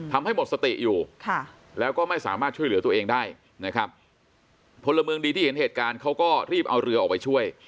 ทำให้หมดสติอยู่แล้วก็ไม่สามารถช่วยเหลือตัวเองได้นะครับพลเมืองดีที่เห็นเหตุการณ์เขาก็รีบเอาเรือออกไปช่วย